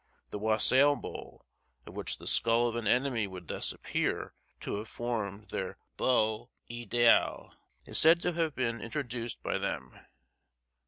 The wassail bowl, of which the skull of an enemy would thus appear to have formed their beau idéal, is said to have been introduced by them.